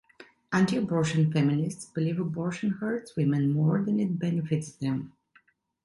Anti-abortion feminists believe abortion hurts women more than it benefits them.